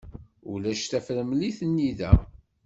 Ulac tafremlit-nni da.